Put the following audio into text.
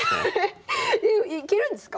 いけるんですか？